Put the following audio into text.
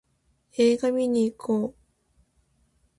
映画見にいこう